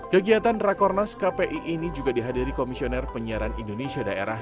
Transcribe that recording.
kegiatan rakornas kpi ini juga dihadiri komisioner penyiaran indonesia daerah